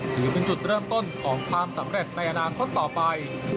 ถือเป็นจุดเริ่มต้นของความสำเร็จในอนาคตต่อไป